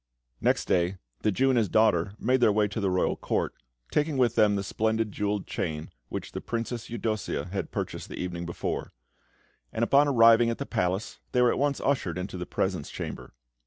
Next day, the Jew and his daughter made their way to the royal Court, taking with them the splendid jewelled chain which the Princess Eudossia had purchased the evening before; and upon arriving at the Palace, they were at once ushered into the presence chamber.